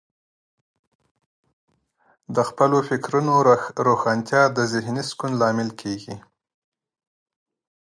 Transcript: د خپلو فکرونو روښانتیا د ذهنې سکون لامل کیږي.